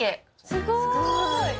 すごい！